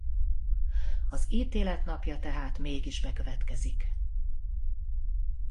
Az ítélet napja tehát mégis bekövetkezik.